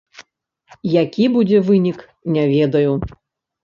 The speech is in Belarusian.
Які будзе вынік, не ведаю.